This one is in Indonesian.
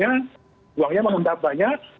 sebabnya uangnya mengendap banyak